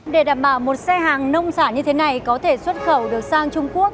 để đảm bảo một xe hàng nông sản như thế này có thể xuất khẩu được sang trung quốc